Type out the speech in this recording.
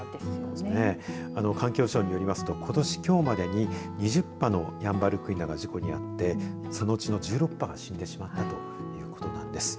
環境省によりますとことし、きょうまでに２０羽のヤンバルクイナが事故に遭ってそのうちの１６羽が死んでしまったということです。